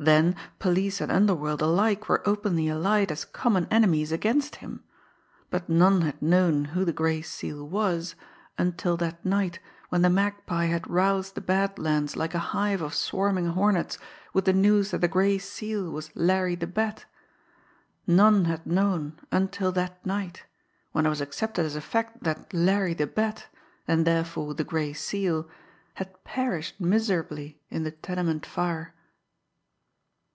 Then, police and underworld alike were openly allied as common enemies against him but none had known who the Gray Seal was until that night when the Magpie had roused the Bad Lands like a hive of swarming hornets with the news that the Gray Seal was Larry the Bat; none had known until that night when it was accepted as a fact that Larry the Bat, and therefore the Gray Seal, had perished miserably in the tenement fire.